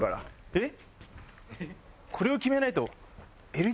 えっ？